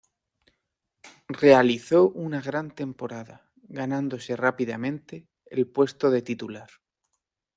Realizó una gran temporada, ganándose rápidamente el puesto de titular.